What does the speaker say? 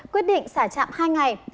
quyết định xả trạm hai ngày